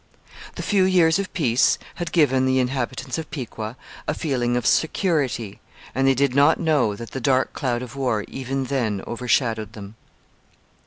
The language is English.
The few years of peace had given the inhabitants of Piqua a feeling of security, and they did not know that the dark cloud of war even then overshadowed them.